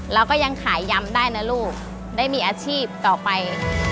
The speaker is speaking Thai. เราก็ยังขายยำได้นะลูกได้มีอาชีพต่อไป